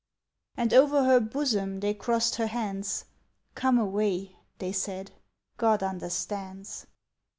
And over her bosom they crossed her hands. "Come away!" they said; "God understands!"